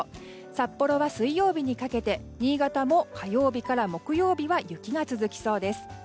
札幌は水曜日にかけて新潟も火曜日から木曜日は雪が続きそうです。